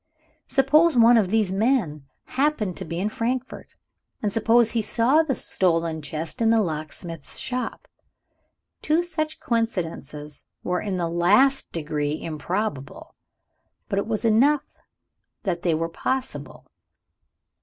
Suppose one of these men happened to be in Frankfort? and suppose he saw the stolen chest in the locksmith's shop? Two such coincidences were in the last degree improbable but it was enough that they were possible.